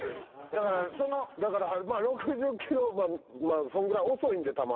だから６０キロそんぐらい遅いんで球。